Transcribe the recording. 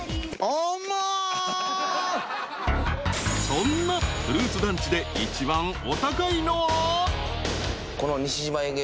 ［そんなフルーツ団地で一番お高いのは］